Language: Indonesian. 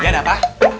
iya ada apa